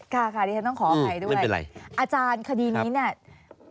ค่ะค่ะดิฉันต้องขออภัยด้วยเลยอาจารย์คดีนี้เนี่ยไม่เป็นไร